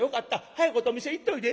早いことお店へ行っておいで」。